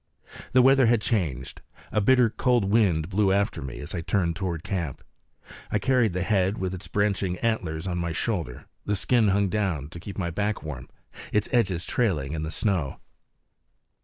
The weather had changed; a bitter cold wind blew after me as I turned toward camp. I carried the head with its branching antlers on my shoulder; the skin hung down, to keep my back warm, its edges trailing in the snow.